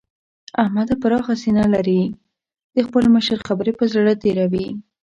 احمد پراخه سينه لري؛ د خپل مشر خبرې پر زړه تېروي.